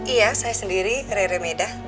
iya saya sendiri rere meda